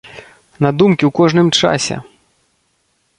На думкі ў кожным часе!